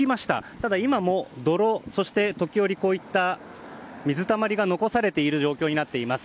ただ、今も泥、そして時折水たまりが残されている状況になっています。